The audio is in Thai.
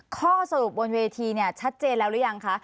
ข้อสรุปบนเวทีเนี่ยชัดเจนแล้วหรือยังคะ